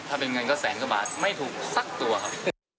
ถ้าเป็นเงินก็แสนกว่าบาทไม่ถูกสักตัวครับ